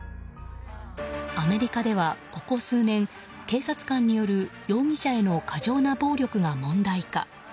アメリカではここ数年、警察官による容疑者への過剰な暴力が問題化。